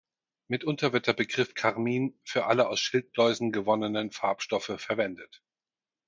Mitunter wird der Begriff Karmin für alle aus Schildläusen gewonnenen Farbstoffe verwendet.